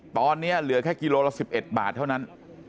ตอนนี้เหลือแค่กิโลละ๑๑บาทเท่านั้น